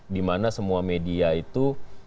dimana semua media itu